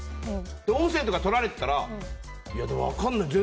音声とかとられてたら分からない。